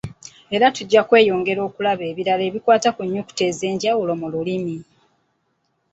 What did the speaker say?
Era tujja kweyongera okulaba ebirala ebikwata ku nnyukuta ez'enjawulo mu lulimi.